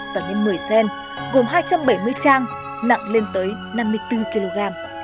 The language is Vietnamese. gồm hai trăm bảy mươi trang nặng lên tới năm mươi bốn kg